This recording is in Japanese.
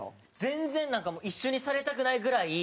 全然なんか一緒にされたくないぐらい。